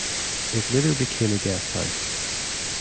It later became a guest house.